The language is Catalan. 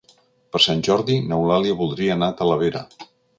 Per Sant Jordi n'Eulàlia voldria anar a Talavera.